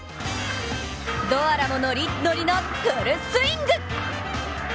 ドアラもノリッノリのフルスイング。